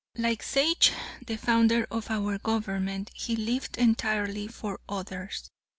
Like Sage, the founder of our government, he lived entirely fox others.